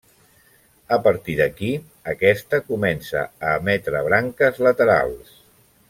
A partir d'aquí aquesta comença a emetre branques laterals.